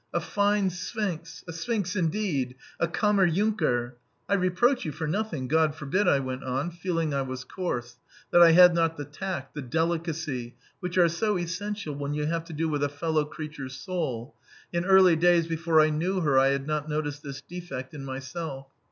A fine sphinx! A sphinx indeed a kammer junker! I reproach you for nothing, God forbid," I went on, feeling I was coarse, that I had not the tact, the delicacy which are so essential when you have to do with a fellow creature's soul; in early days before I knew her I had not noticed this defect in myself.